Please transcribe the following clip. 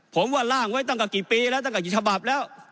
ผมว่าล่างไว้ตั้งกับกี่ปีแล้วตั้งกับกี่ฉบับแล้ว